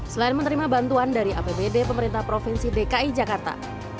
selain menerima bantuan dari apbd pemerintah provinsi dki jakarta